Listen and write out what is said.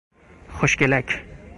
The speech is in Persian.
خوشگلک